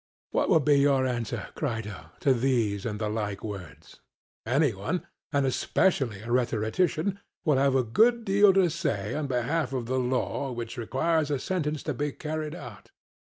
What will be our answer, Crito, to these and the like words? Any one, and especially a rhetorician, will have a good deal to say on behalf of the law which requires a sentence to be carried out.